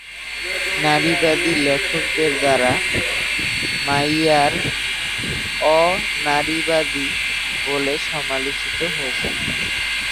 নারীবাদী লেখকদের দ্বারা মাইয়ার অ-নারীবাদী বলে সমালোচিত হয়েছেন।